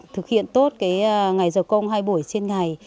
thực hiện tốt ngày giờ công hai buổi trên ngày